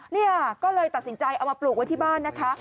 เนี่ยก็เลยตัดสินใจเอามาปลูกไว้ที่บ้านนะคะ